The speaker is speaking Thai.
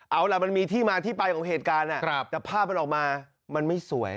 เอาล่ะมันมีที่มาที่ไปของเหตุการณ์แต่ภาพมันออกมามันไม่สวย